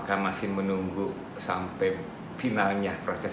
dan saya juga berharap dengan anda yang menonton